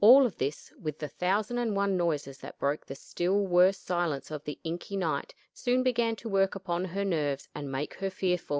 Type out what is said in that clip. All of this, with the thousand and one noises that broke the still worse silence of the inky night soon began to work upon her nerves and make her fearful.